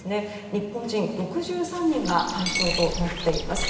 日本人６３人が対象となっています。